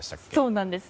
そうなんです。